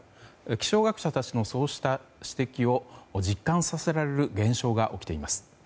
気象学者たちのそうした指摘を実感させられる現象が起きています。